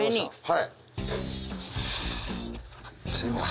はい。